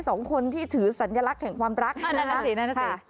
สองคนที่ถือสัญลักษณ์แห่งความรักอันนั้นสิอันนั้นสิ